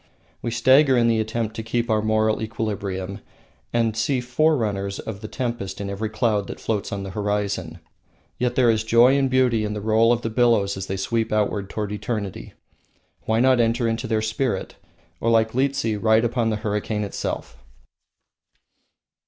We stagger in the attempt to keep our moral equilibrium, and see forerunners of the tempest in every cloud that floats on the horizon. Yet there is joy and beauty in the roll of billows as they sweep outward toward eternity. Why not enter into their spirit, or, like Liehtse, ride upon the hurricane itself?